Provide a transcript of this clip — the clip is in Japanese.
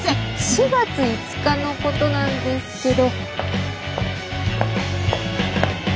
４月５日のことなんですけど。